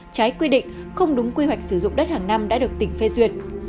trái quy định không đúng quy hoạch sử dụng đất hàng năm đã được tỉnh phê duyệt